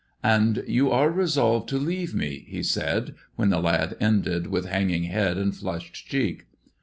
And you are resolved to leave me," he said, when the lad ended with hanging head and flushed cheek.